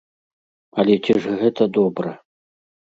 Але ці ж гэта добра?